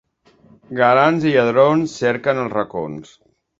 Galants i lladrons cerquen els racons.